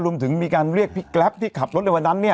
รวมถึงมีการเรียกพี่แกรปที่ขับรถในวันนั้น